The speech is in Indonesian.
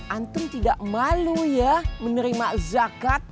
antum tidak malu ya menerima zakat